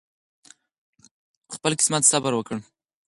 خپل قسمت صبر وکړه